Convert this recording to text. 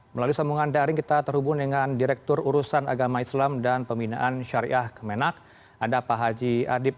melalui sambungan daring kita terhubung dengan direktur urusan agama islam dan pembinaan syariah kemenak ada pak haji adib